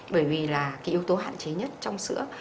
bởi vì là cái yếu tố hạn chế nhất trong sữa